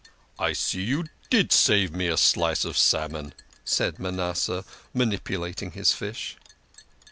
" I see you did save me a slice of salmon," said Manasseh, manipulating his fish.